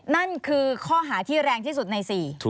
นั่นคือข้อหาที่แรงที่สุดใน๔